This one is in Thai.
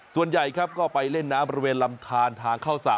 ส่วนใหญ่ครับก็ไปเล่นน้ำบริเวณลำทานทางเข้าสระ